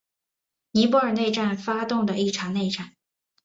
尼泊尔内战发动的一场内战。